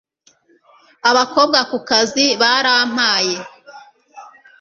Abakobwa ku kazi barampaye